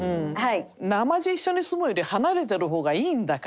なまじ一緒に住むより離れてる方がいいんだから。